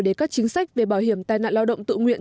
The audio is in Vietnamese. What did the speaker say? để các chính sách về bảo hiểm tai nạn lao động tự nguyện